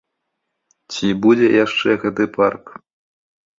Ці будзе яшчэ гэты парк?